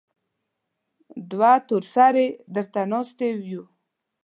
دوه تور سرې درته ناستې يو.